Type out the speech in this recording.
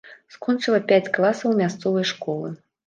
Скончыла пяць класаў мясцовай школы.